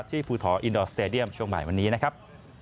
ภูทออินดอร์สเตดียมช่วงบ่ายวันนี้นะครับ